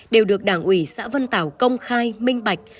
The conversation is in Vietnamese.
đều được đảng ủy xã vân tảo công khai minh bạch